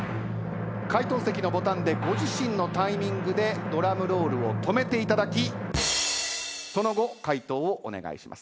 回答席のボタンでご自身のタイミングでドラムロールを止めていただきその後回答をお願いします。